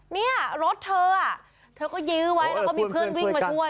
เนี่ยรถเธอเธอก็ยื้อไว้แล้วก็มีเพื่อนวิ่งมาช่วย